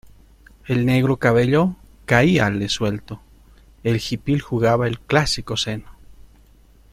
el negro cabello caíale suelto, el hipil jugaba sobre el clásico seno.